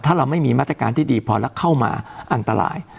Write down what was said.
ถ้าเราไม่มีมาตรการที่ดีพอแล้วเข้ามาอันตราย